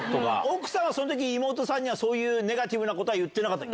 奥さんはその時妹さんにはネガティブなことは言ってなかった？